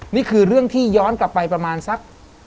นี่คือเรื่องที่ย้อนกลับไปประมาณสัก